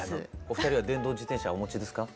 お二人は電動自転車お持ちですか？